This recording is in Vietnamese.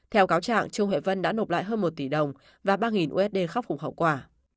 theo cáo trạng trương huệ vân đã nộp lại hơn một tỷ đồng và ba usd khóc khủng khẩu quả